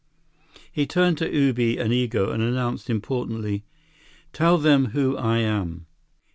He turned to Ubi and Igo and announced importantly: "Tell them who I am."